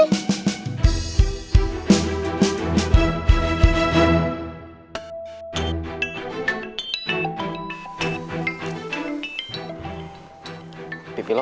sam sam apaan sih